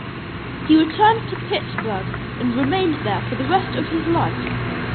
He returned to Pittsburgh and remained there for the rest of his life.